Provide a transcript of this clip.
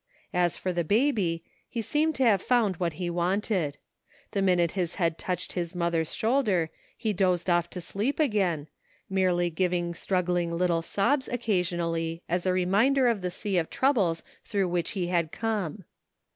As for the baby, he seemed to have found what he wanted. The minute his head touched his mother's shoulder he dozed off to sleep again, merely giving strug gling little sobs occasionally as a reminder of the sea of troubles through which he had come.